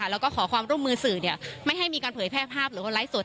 แล้วก็ขอความร่วมมือสื่อไม่ให้มีการเผยแพร่ภาพหรือว่าไลฟ์สด